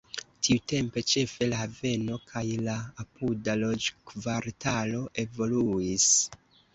Tiutempe ĉefe la haveno kaj la apuda loĝkvartalo evoluis.